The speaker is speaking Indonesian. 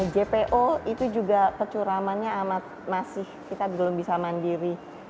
jpo itu juga kecuramannya amat masih kita belum bisa mandiri